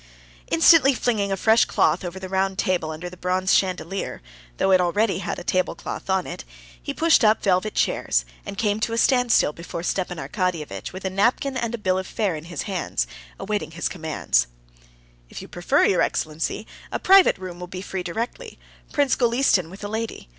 Instantly flinging a fresh cloth over the round table under the bronze chandelier, though it already had a table cloth on it, he pushed up velvet chairs, and came to a standstill before Stepan Arkadyevitch with a napkin and a bill of fare in his hands, awaiting his commands. "If you prefer it, your excellency, a private room will be free directly; Prince Golistin with a lady.